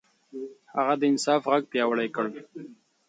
هغه د انصاف غږ پياوړی کړ.